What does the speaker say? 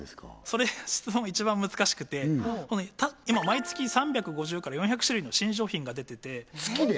それ質問一番難しくて今毎月３５０から４００種類の新商品が出てて月で？